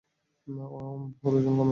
ওর ওজন কমেছে।